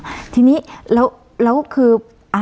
อ้าวทีนี้แล้วแล้วคือ